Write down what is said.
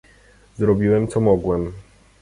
"Zrobiłem co mogłem."